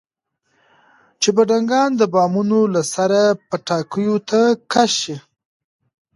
چې بډنکان د بامونو له سره پټاکیو ته کش شي.